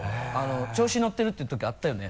調子乗ってるっていうときあったよね？